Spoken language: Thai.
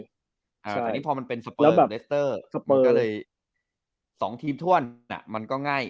แต่นี่พอมันเป็นสเปอร์ของเลสเตอร์สองทีมท่วนมันก็ง่าย